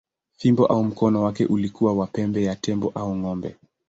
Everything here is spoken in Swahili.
Fimbo au mkono wake ulikuwa wa pembe ya tembo au ng’ombe.